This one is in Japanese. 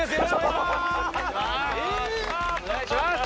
お願いします！